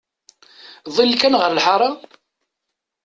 Ḍill kan ɣer lḥara!